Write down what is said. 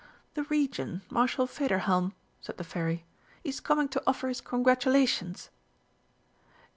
"The Regent, Marshal Federhelm," said the Fairy. "He is coming to offer his congratulations."